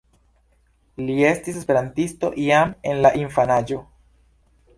Li estis esperantisto jam en la infanaĝo.